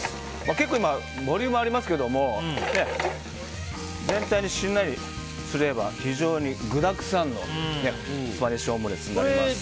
結構ボリュームありますけど全体にしんなりすれば非常に具だくさんのスパニッシュオムレツになります。